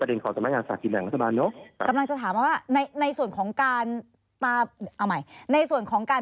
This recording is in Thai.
เขาเรียกสำนักงานสลากขึ้นด้วยไหมคะ